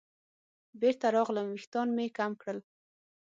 بېرته راغلم ویښتان مې کم کړل.